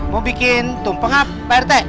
mau bikin tumpeng apa pak rete